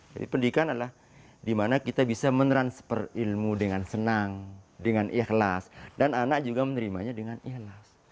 jadi pendidikan adalah di mana kita bisa meneranjeper ilmu dengan senang dengan ikhlas dan anak juga menerimanya dengan ikhlas